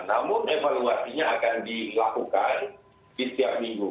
namun evaluasinya akan dilakukan di setiap minggu